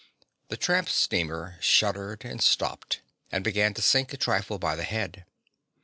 The tramp steamer shuddered and stopped, and began to sink a trifle by the head.